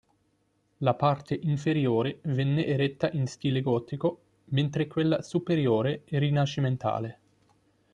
La parte inferiore venne eretta in stile gotico, mentre quella superiore è rinascimentale.